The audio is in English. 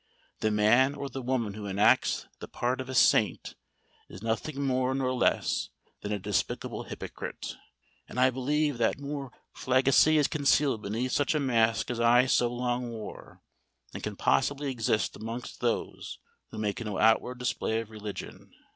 The man or the woman who enacts the part of a saint, is nothing more nor less than a despicable hypocrite; and I believe that more profligacy is concealed beneath such a mask as I so long wore, than can possibly exist amongst those who make no outward display of religion.